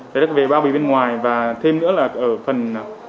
đấy là về bao bì bên ngoài và thêm nữa là ở phần